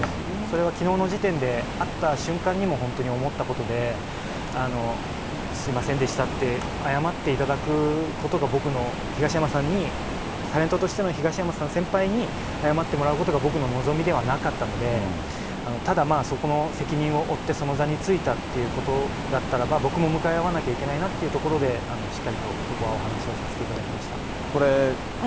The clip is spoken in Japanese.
それはきのうの時点で、会った瞬間にも本当に思ったことで、すみませんでしたって謝っていただくことが僕の、東山さんに、タレントとしての東山さん、先輩に謝ってもらうことが僕の望みではなかったので、ただまあ、そこの責任を負って、その座に就いたということだったらば、僕も向かい合わなきゃいけないなっていうところで、しっかりとそこはお話しをさせていただきました。